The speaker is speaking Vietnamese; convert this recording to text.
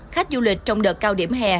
khách du lịch trong đợt cao điểm hè